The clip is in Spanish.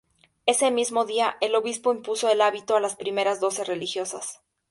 Ese mismo día el obispo impuso el hábito a las primeras doce religiosas.